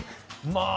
まあ、。